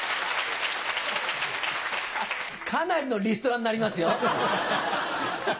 かなりのリストラになりますよ？